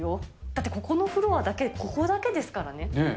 だってここのフロアだけで、ここだけですからね。